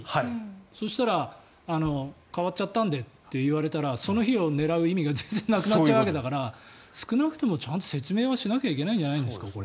そしたら、変わっちゃったんでって言われたらその日を狙う意味が全然なくなっちゃうわけだから少なくともちゃんと説明はしなきゃいけないんじゃないですかこれ。